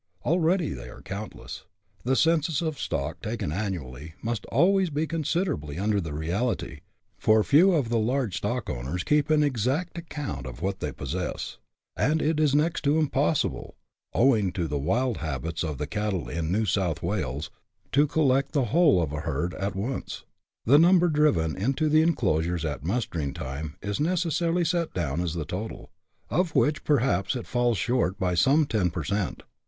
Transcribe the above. Already they are countless ; the census of stock, taken annually, must always be considerably under the reality, for few of the large stockowners keep an exact account of what they possess, and as it is next to impossible, owing to the wild habits of the cattle in New South Wales, to collect the whole of a herd at 56 BUSH LIFE IN AUSTRALIA. [chap. vi. once, the number driven into the enclosures at mustering time is necessarily set down as the total, of which perhaps it falls short by some ten per cent.